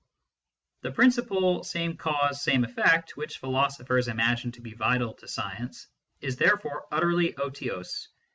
^. The principle "same cause, same effect, 1 which philo sophers imagine to be vital to science, is therefore utterly otiose.